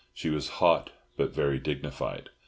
She was hot, but very dignified.